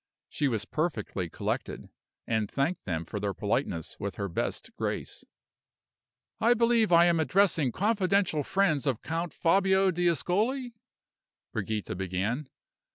She was perfectly collected, and thanked them for their politeness with her best grace. "I believe I am addressing confidential friends of Count Fabio d'Ascoli?" Brigida began.